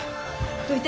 どいて。